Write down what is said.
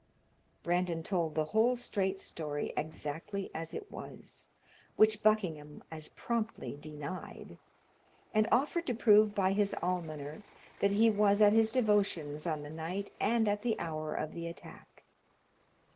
Brandon told the whole straight story, exactly as it was, which Buckingham as promptly denied, and offered to prove by his almoner that he was at his devotions on the night and at the hour of the attack.